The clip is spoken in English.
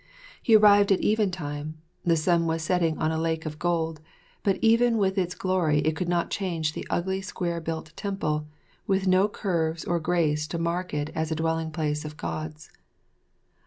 He arrived at eventime, the sun was setting in a lake of gold, but even with its glory it could not change the ugly square built temple, with no curves or grace to mark it as a dwelling place of Gods.